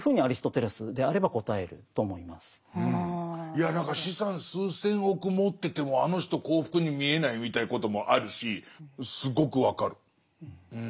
いや何か資産数千億持っててもあの人幸福に見えないみたいなこともあるしすごく分かる。